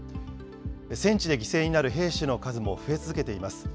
戦地で犠牲になる兵士の数も増え続けています。